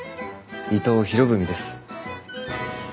伊藤博文です。